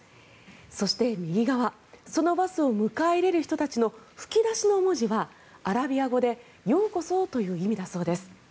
そして、右側そのバスを迎え入れる人たちの吹き出しの文字はアラビア語でようこそという意味だそうです。